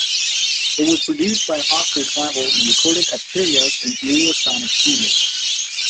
It was produced by Oscar Clavel and recorded at Kirios and Eurosonic studios.